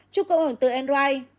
chụp cộng hưởng từ android